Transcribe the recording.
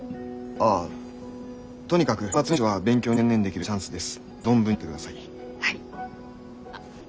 ああとにかく年末年始は勉強に専念できるチャンスです。